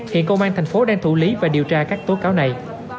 hiện công an tp hcm đang thủ lý và điều tra các tố cáo này